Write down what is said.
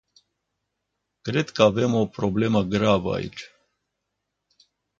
Cred că avem o problemă gravă aici.